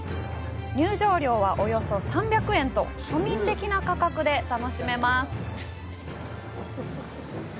入場料はおよそ３００円と、庶民的な価格で楽しめます。